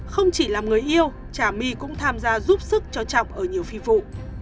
không chỉ làm người yêu trà my cũng tham gia giúp sức cho trọng ở nhiều phi vụ